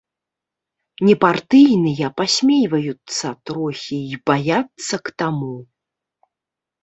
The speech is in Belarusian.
Непартыйныя пасмейваюцца, трохі й баяцца к таму.